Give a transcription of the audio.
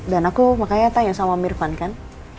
dan aku makanya tanya sama om irfan kan